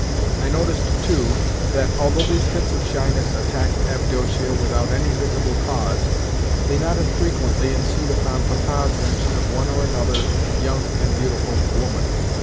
I noticed, too, that, although these fits of shyness attacked Avdotia, without any visible cause, they not infrequently ensued upon Papa's mention of one or another young and beautiful woman.